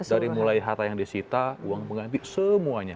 dari mulai harta yang disita uang pengganti semuanya